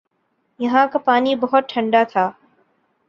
یہاں کا پانی بہت ٹھنڈا تھا ۔